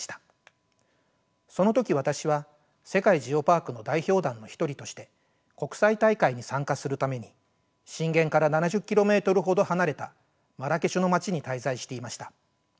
その時私は世界ジオパークの代表団の一人として国際大会に参加するために震源から７０ｋｍほど離れたマラケシュの街に滞在していました。